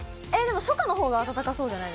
初夏のほうが暖かそうじゃな